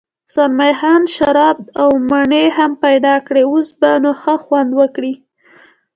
زلمی خان شراب او مڼې هم پیدا کړې، اوس به نو ښه خوند وکړي.